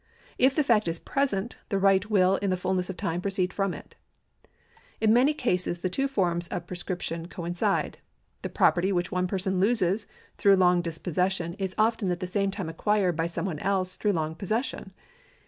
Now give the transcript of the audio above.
If the fact is present, the right will in the fulness of time proceed from it. In many cases the two forms of prescription coincide. The property which one person loses through long dispossession is often at the same time acquired by some one else through long possession.